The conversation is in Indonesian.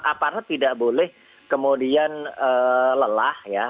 aparat tidak boleh kemudian lelah ya